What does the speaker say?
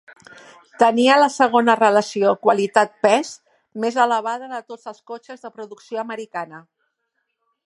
Tenia la segona relació qualitat-pes més elevada de tots els cotxes de producció americana.